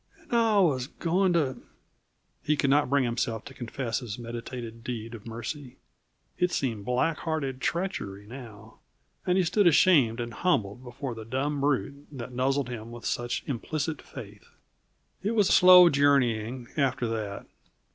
And I was going to " He could not bring himself to confess his meditated deed of mercy; it seemed black hearted treachery, now, and he stood ashamed and humbled before the dumb brute that nuzzled him with such implicit faith. It was slow journeying, after that.